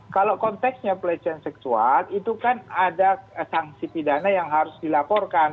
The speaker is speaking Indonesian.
kalau konteksnya pelecehan seksual itu kan ada sanksi pidana yang harus dilaporkan